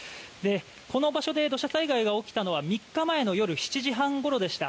この場所で土砂災害が起きたのは３日前の夜７時半ごろでした。